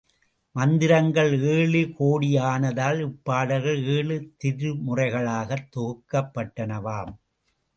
மந்திரங்கள் ஏழுகோடியானதால் இப்பாடல்கள் ஏழு திருமுறைகளாகத் தொகுக்கப்பட்டனவாம்.